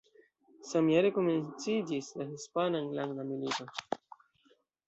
Samjare komenciĝis la Hispana Enlanda Milito.